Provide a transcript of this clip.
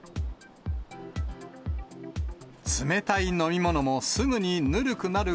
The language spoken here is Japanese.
冷たい飲み物もすぐにぬるくなる